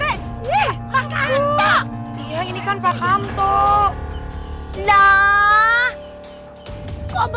ih pak kanto